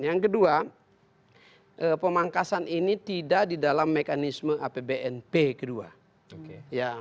yang kedua pemangkasan ini tidak di dalam mekanisme apbnp kedua